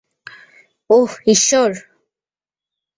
ওহ, ইশ্বর!